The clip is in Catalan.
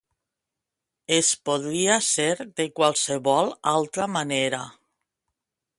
Es podria ser de qualsevol altra manera.